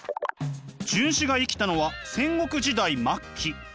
荀子が生きたのは戦国時代末期。